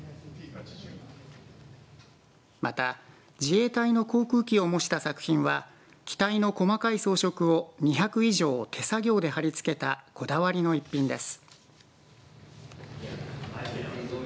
また、自衛隊の航空機を模した作品は機体の細かい装飾を２００以上手作業で貼り付けたこだわりの一品です。